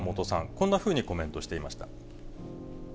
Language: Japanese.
こんなふうにコメントしていました。